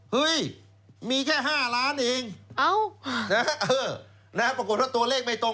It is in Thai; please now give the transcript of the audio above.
เฮ้ยมีแค่๕ล้านเองปรากฏว่าตัวเลขไม่ตรง